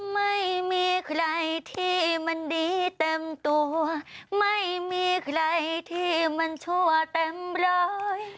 ไม่มีใครที่มันดีเต็มตัวไม่มีใครที่มันชั่วเต็มร้อย